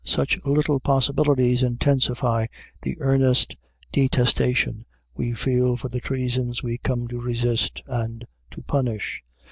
Such little possibilities intensify the earnest detestation we feel for the treasons we come to resist and to punish.